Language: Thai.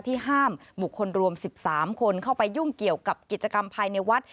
ห้ามบุคคลรวม๑๓คนเข้าไปยุ่งเกี่ยวกับกิจกรรมภายในวัด